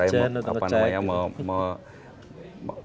saya juga sudah kirim intelijen